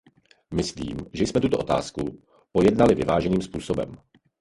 Myslím, že jsme tuto otázku pojednali vyváženým způsobem.